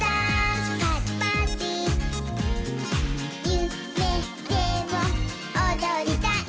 「ゆめでもおどりたい」